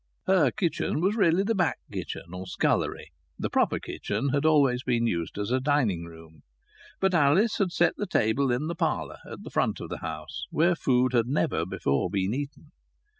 Her kitchen was really the back kitchen or scullery. The proper kitchen had always been used as a dining room. But Alice had set the table in the parlour, at the front of the house, where food had never before been eaten.